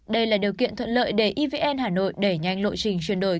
đây là điều kiện thuận lợi để evn hà nội đẩy nhanh lộ trình chuyển đổi